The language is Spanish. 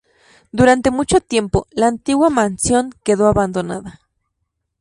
Durante mucho tiempo, la antigua mansión quedó abandonada.